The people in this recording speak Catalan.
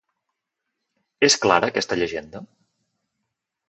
És clara aquesta llegenda?